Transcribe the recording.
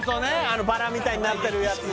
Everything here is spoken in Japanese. あのバラみたいになってるやつ